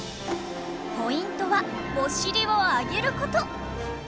ポイントはお尻を上げる事！